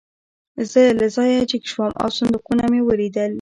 زه له ځایه جګ شوم او صندوقونه مې ولیدل